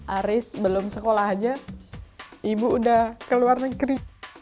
ari belum sekolah aja ibu udah keluar negeri